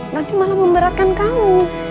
nanti malah memberatkan kamu